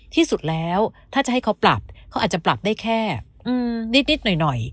ที่สุดแล้วถ้าจะให้เขาปรับเขาอาจจะปรับได้แค่นิดหน่อย